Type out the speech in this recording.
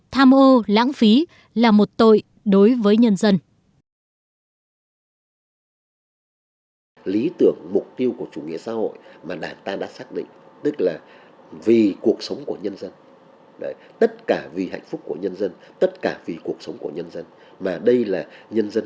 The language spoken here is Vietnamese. tha mô lãng phí là một tội đối với nhân dân